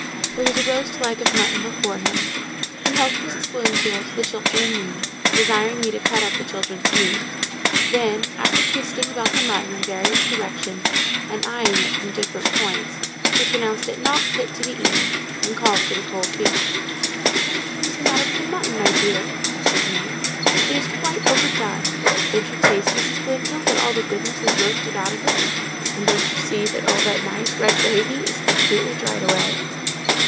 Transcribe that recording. There was a roast leg of mutton before him: he helped Mrs. Bloomfield, the children, and me, desiring me to cut up the children's meat; then, after twisting about the mutton in various directions, and eyeing it from different points, he pronounced it not fit to be eaten, and called for the cold beef. "What is the matter with the mutton, my dear?" asked his mate. "It is quite overdone. Don't you taste, Mrs. Bloomfield, that all the goodness is roasted out of it? And can't you see that all that nice, red gravy is completely dried away?"